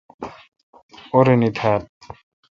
اورنی تھال۔